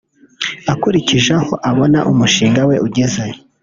Akurikije aho abona umushinga we ugeze